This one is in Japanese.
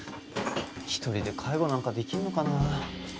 一人で介護なんかできるのかな？